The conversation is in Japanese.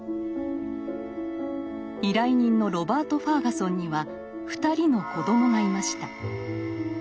依頼人のロバート・ファーガソンには２人の子どもがいました。